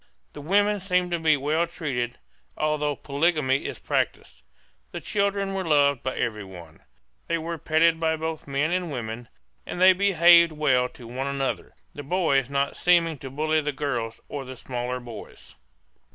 The women seemed to be well treated, although polygamy is practised. The children were loved by every one; they were petted by both men and women, and they behaved well to one another, the boys not seeming to bully the girls or the smaller boys.